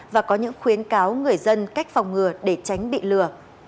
và có những khuyến cáo người dân cách phòng ngừa để tránh bị lừa